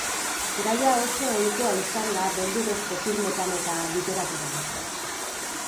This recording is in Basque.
Gaia oso ohikoa izan da beldurrezko filmetan eta literaturan.